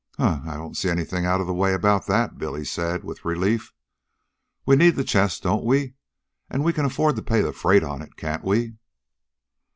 "Huh! I don't see anything outa the way about that," Billy said with relief. "We need the chest, don't we? An' we can afford to pay the freight on it, can't we?"